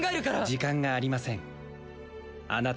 時間がありません